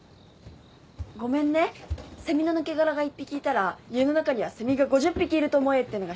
ごめんねセミの抜け殻が１匹いたら家の中にはセミが５０匹いると思えってのが島の言い伝えで。